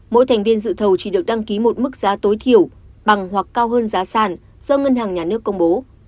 mỗi thành viên dự thầu chỉ được đăng ký một mức giá tối thiểu bằng hoặc cao hơn giá sản do ngân hàng nhà nước công bố